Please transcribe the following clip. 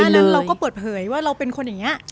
ทำที่ก่อนหน้านั้นเราก็เปิดเผยว่าเราเป็นคนอย่างนี้